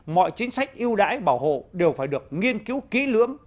mọi chính sách yêu đãi bảo hộ đều phải được nghiên cứu kỹ lưỡng